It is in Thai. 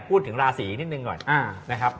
พูดถึงราศีนิดนึงก่อนนะครับ